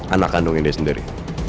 anak kandungnya dia sendiri